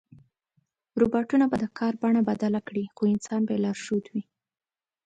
روباټونه به د کار بڼه بدله کړي، خو انسان به یې لارښود وي.